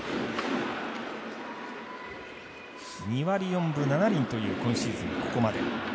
２割４分７厘という今シーズン、ここまで。